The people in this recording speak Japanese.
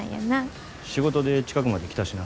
仕事で近くまで来たしな。